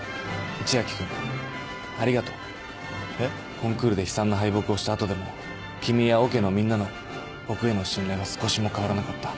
コンクールで悲惨な敗北をした後でも君やオケのみんなの僕への信頼は少しも変わらなかった。